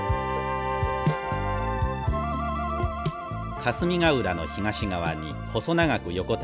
霞ヶ浦の東側に細長く横たわる北浦。